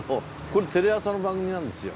これテレ朝の番組なんですよ。